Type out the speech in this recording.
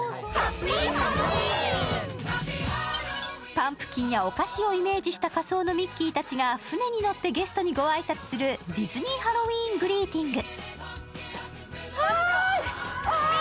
パンプキンやお菓子をイメージした仮装のミッキーが船に乗ってゲストにご挨拶するディズニー・ハロウィーン・グリーティング。